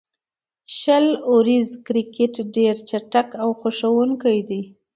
شل اوریز کرکټ ډېر چټک او خوښوونکی دئ.